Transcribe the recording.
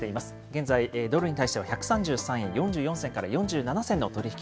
現在、ドルに対しては１３３円４４銭から４７銭